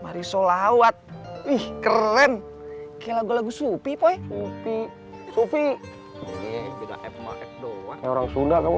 marisolawat ih keren ke lagu lagu supi supi supi supi orang sudah kamu